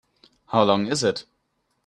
How long is it?